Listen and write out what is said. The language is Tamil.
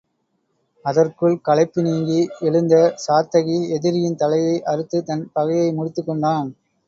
அதற்குள் களைப்பு நீங்கி எழுந்த சாத்தகி எதிரியின் தலையை அறுத்துத் தன் பகையை முடித்துக் கொண்டான்.